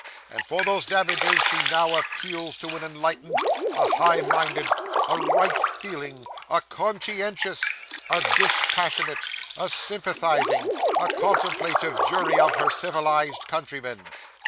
And for those damages she now appeals to an enlightened, a high minded, a right feeling, a conscientious, a dispassionate, a sympathising, a contemplative jury of her civilised countrymen.